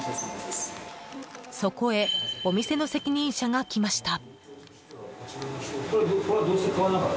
そこへお店の責任者が来ました。